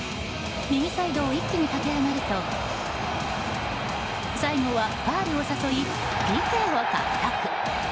右サイドを一気に駆け上がると最後はファウルを誘いＰＫを獲得。